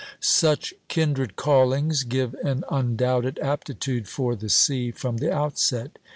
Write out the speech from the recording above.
Such kindred callings give an undoubted aptitude for the sea from the outset.